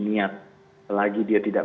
niat selagi dia tidak